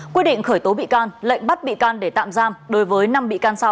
quyết định khởi tố bị can lệnh bắt bị can để tạm giam đối với năm bị can sau